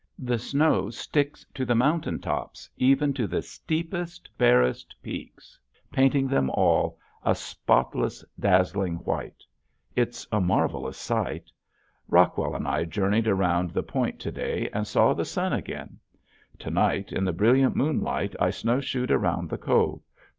The snow sticks to the mountain tops even to the steepest, barest peaks painting them all a spotless, dazzling white. It's a marvelous sight. Rockwell and I journeyed around the point to day and saw the sun again. To night in the brilliant moonlight I snowshoed around the cove.